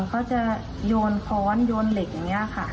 เขาจะโยนค้อนโยนเหล็กอย่างนี้ค่ะ